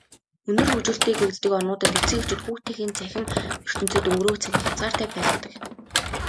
Өндөр хөгжилтэй гэгддэг орнуудад эцэг эхчүүд хүүхдүүдийнхээ цахим ертөнцөд өнгөрөөх цагийг хязгаартай байлгадаг.